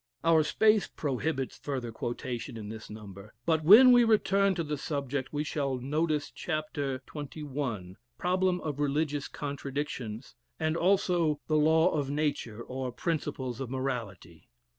Our space prohibits further quotation in this number; but when we return to the subject, we shall notice chapter xxi., "Problem of Religious Contradictions," and also "The Law of Nature; or Principles of Morality."